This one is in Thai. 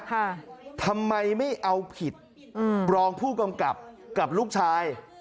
ทำไมไม่เอาผิดอืมรองผู้กำกับกับลูกชาย